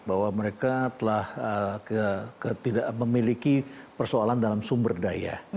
bahwa mereka telah tidak memiliki persoalan dalam sumber daya